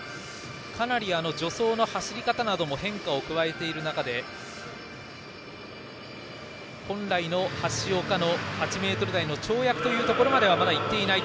かなり助走の走り方なども変化を加えている中で本来の橋岡の８ｍ台の跳躍というところまではまだ、行っていない